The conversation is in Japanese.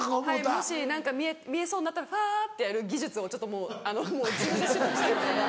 もし何か見えそうになったらファってやる技術をちょっともうあの自分で習得したんで。